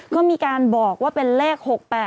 ก็มีการบอกว่าเป็นเลข๖๘